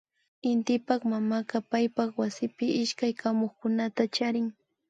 Intipak mamaka paypak wasipi ishkay kamukunata charin